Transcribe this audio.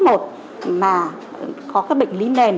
có các bệnh lý nền